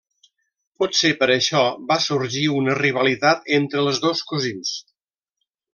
Potser per això va sorgir una rivalitat entre els dos cosins.